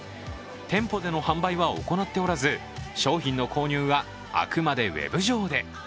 店舗での販売は行っておらず、商品の購入はあくまでウェブ上で。